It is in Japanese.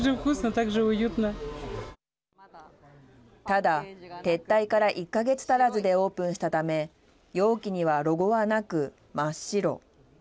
ただ、撤退から１か月足らずでオープンしたため容器にはロゴはなく真っ白。